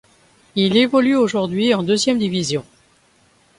Il évolue aujourd'hui en deuxième division.